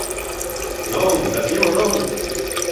Non, dativo non!